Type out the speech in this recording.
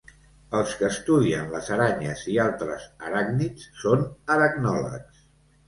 Els que estudien les aranyes i altres aràcnids són aracnòlegs.